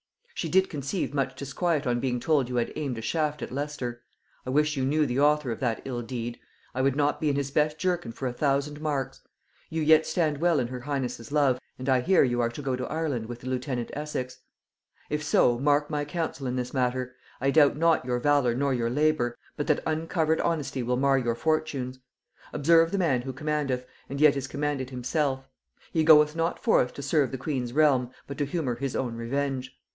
She did conceive much disquiet on being told you had aimed a shaft at Leicester; I wish you knew the author of that ill deed; I would not be in his best jerkin for a thousand marks. You yet stand well in her highness' love, and I hear you are to go to Ireland with the lieutenant Essex; if so, mark my counsel in this matter. I doubt not your valor nor your labor, but that d e uncovered honesty will mar your fortunes. Observe the man who commandeth, and yet is commanded himself; he goeth not forth to serve the queen's realm, but to humor his own revenge.